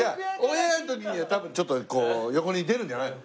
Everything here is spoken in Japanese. オンエアの時には多分ちょっとこう横に出るんじゃないの？